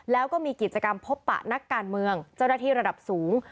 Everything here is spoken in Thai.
แล้วก็มีกิจกรรมพบปะนักการเมืองเจ้าหน้าที่ระดับสูง